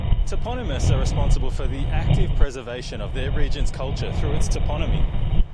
Toponymists are responsible for the active preservation of their region's culture through its toponymy.